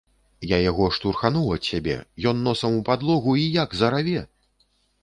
Я яго штурхануў ад сябе, ён носам у падлогу і як зараве!